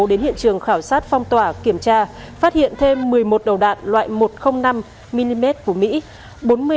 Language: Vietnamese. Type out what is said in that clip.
đến hiện trường khảo sát phong tỏa kiểm tra phát hiện thêm một mươi một đầu đạn loại một trăm linh năm mm của mỹ